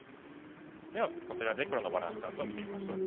ではこちらで黒のバランスチャートを見てみましょう。